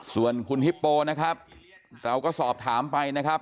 ส่วนคุณฮิปโปนะครับเราก็สอบถามไปนะครับ